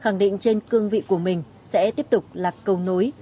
nên cương vị của mình sẽ tiếp tục là cầu nối